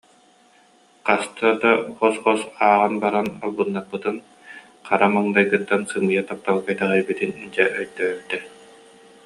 Хаста да хос-хос ааҕан баран албыннаппытын, хара маҥнайгыттан сымыйа тапталга итэҕэйбитин, дьэ, өйдөөбүтэ